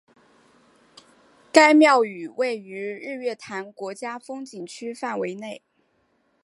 该庙宇位于日月潭国家风景区范围内。